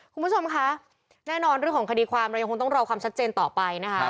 คุณผู้ชมคะแน่นอนเรื่องของคดีความเรายังคงต้องรอความชัดเจนต่อไปนะคะ